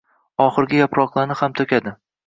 oxirgi yaproqlarni ham toʻkadi.